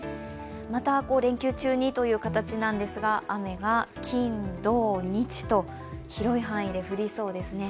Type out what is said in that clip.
また連休中にという形なんですが、雨が金土日と広い範囲で降りそうですね。